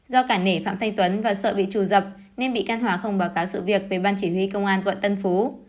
do cả nể phạm thanh tuấn và sợ bị trù dập nên bị can hòa không báo cáo sự việc về ban chỉ huy công an quận tân phú